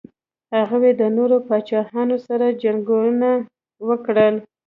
هغوی د نورو پاچاهانو سره جنګونه وکړل.